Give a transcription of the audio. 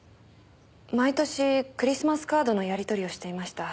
毎年クリスマスカードのやり取りをしていました。